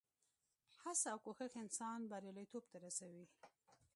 هڅه او کوښښ انسان بریالیتوب ته رسوي.